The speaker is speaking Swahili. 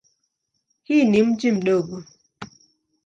Hii ni mji mdogo.